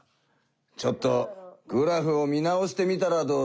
ちょっとグラフを見直してみたらどうだ？